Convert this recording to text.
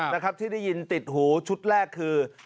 นะครับที่ได้ยินติดหูชุดแรกคือ